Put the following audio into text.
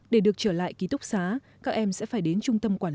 để được trở lại ký túc xá các em sẽ phải đến trung tâm quản lý